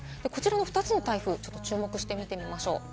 ２つの台風、注目して見てみましょう。